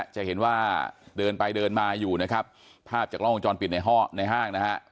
จะเห็นว่าเดินไปเดินมาอยู่นะครับภาพจากล้องวงจรปิดในห้องในห้างนะฮะ